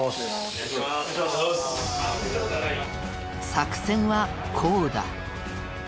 作戦はこうだ。